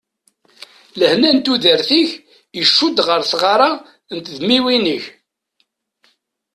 Lehna n tudert-ik icudd ɣer tɣara n tedmiwin-ik.